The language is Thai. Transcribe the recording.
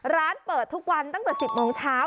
ร้านเปิดทุกวันตั้งแต่๑๐โมงเช้า